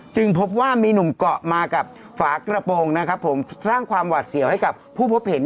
พบว่ามีหนุ่มเกาะมากับฝากระโปรงนะครับผมสร้างความหวัดเสียวให้กับผู้พบเห็น